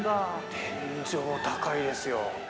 天井高いですよ。